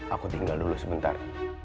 aku tinggal dulu sebentar